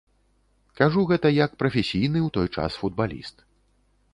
Кажу гэта як прафесійны ў той час футбаліст.